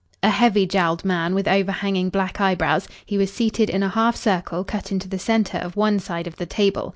A heavy jowled man with overhanging black eyebrows, he was seated in a half circle cut into the centre of one side of the table.